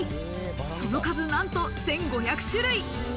その数なんと１５００種類。